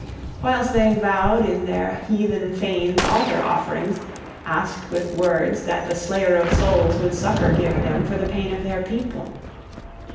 Whiles they vowed in their heathen fanes altar offerings, asked with words {2e} that the slayer of souls would succor give them for the pain of their people.